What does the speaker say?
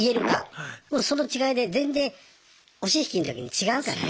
もうその違いで全然押し引きの時に違うからね。